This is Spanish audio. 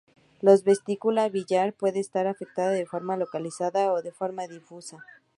La vesícula biliar puede estar afectada de forma localizada o de forma difusa.